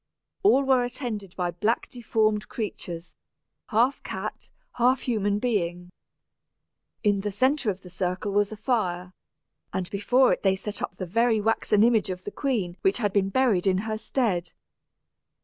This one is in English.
All were attended by black deformed creatures, half cat, half human being. In the centre of the circle was a fire, and before it they set up the very waxen image of the queen which had been buried in her stead.